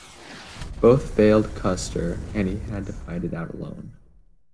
Both failed Custer and he had to fight it out alone.